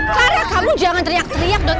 karena kamu jangan teriak teriak dong